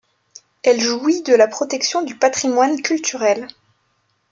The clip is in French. Elle jouit de la protection du patrimoine culturel.